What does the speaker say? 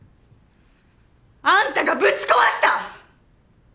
あんたがぶち壊した！！